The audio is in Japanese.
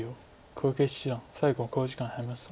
小池七段最後の考慮時間に入りました。